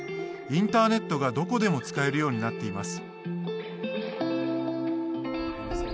インターネットがどこでも使えるようになっています。